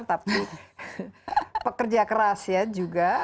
tapi pekerja keras ya juga